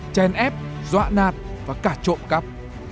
chèn ép dọa nạt và cả trộm cắp